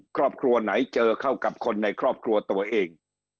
ครอบครัวไหนเจอเข้ากับคนในครอบครัวตัวเอง